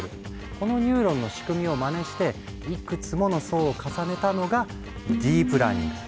このニューロンの仕組みをマネしていくつもの層を重ねたのがディープラーニング。